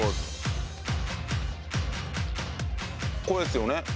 これですよね